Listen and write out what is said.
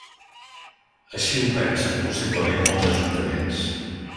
Així ho pensen possiblement molts ajuntaments.